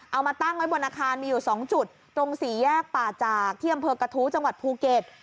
เอามาตั้งไว้บนอาคารมีอยู่๒จุดตรงสี่แยกป่าจากที่อำเภอกระทู้จังหวัดภูเก็ต